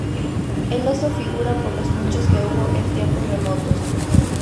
El oso figura por los muchos que hubo en tiempos remotos.